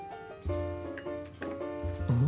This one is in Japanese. うん？